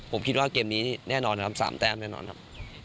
ผมคิดว่าเกมนี้แน่นอนครับ๓แต้มแน่นอนครับ